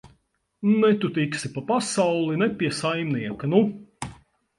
Ne tu tiksi pa pasauli, ne pie saimnieka, nu!